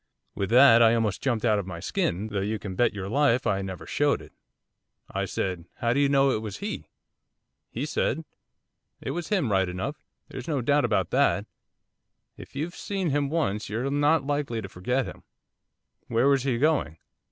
With that I almost jumped out of my skin, though you can bet your life I never showed it. I said, "How do you know it was he?" He said, "It was him right enough, there's no doubt about that. If you've seen him once, you're not likely to forget him." "Where was he going?"